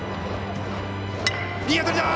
いい当たりだ！